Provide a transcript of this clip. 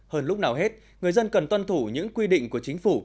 hơn lúc nào hết người dân cần tuân thủ những quy định của chính phủ